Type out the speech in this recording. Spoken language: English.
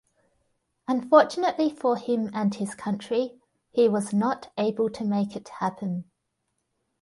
Unfortunately for him and his country, he was not able to make it happen.